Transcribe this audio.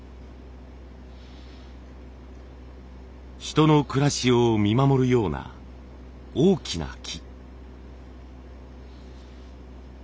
人の暮らしを見守るような大きな木。